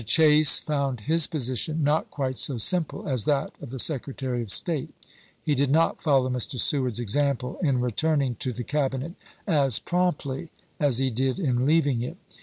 Chase found his position not quite so simple as that of the Secretary of State. He did not follow Mr. Seward's example in returning to the Cabinet as promptly as he did in leaving it.